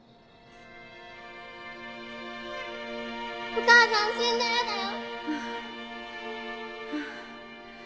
お母さん死んじゃ嫌だよ！